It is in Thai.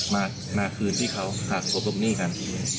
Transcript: มาคืนที่เขาหักคบลบหนี้กัน